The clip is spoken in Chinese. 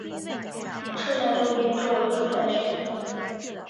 车站周边多为住宅区。